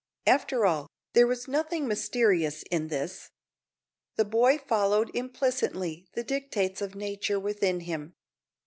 After all, there was nothing mysterious in this. The boy followed implicitly the dictates of nature within him.